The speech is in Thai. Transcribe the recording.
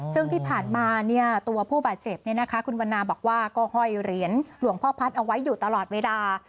ซึ่งที่ผ่านมาตัวผู้บาดเจ็บคุณวันนาบอกว่าก็ห้อยเหรียญหลวงพ่อพัฒน์เอาไว้อยู่ตลอดเวลา